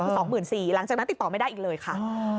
๒๔๐๐๐บาทหลังจากนั้นติดต่อไม่ได้อีกเลยค่ะ